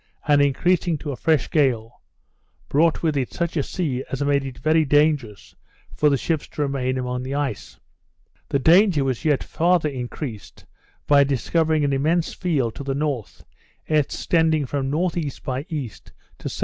and increasing to a fresh gale, brought with it such a sea as made it very dangerous for the ships to remain among the ice. The danger was yet farther increased by discovering an immense field to the north, extending from N.E. by E. to S.W.